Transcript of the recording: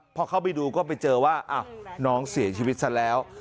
พอเข้าไปดูก็ไปเจอว่าน้องเสียชีวิตซะแล้ว